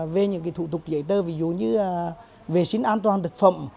về những thủ tục giấy tờ ví dụ như vệ sinh an toàn thực phẩm